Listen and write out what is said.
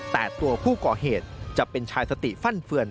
แต่ตัวผู้ก่อเหตุจะเป็นชายสติฟั่นเฟือน